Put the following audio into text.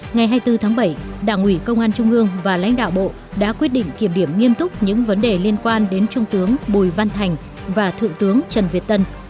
ngày hai mươi bốn tháng bảy đảng ủy công an trung ương và lãnh đạo bộ đã quyết định kiểm điểm nghiêm túc những vấn đề liên quan đến trung tướng bùi văn thành và thượng tướng trần việt tân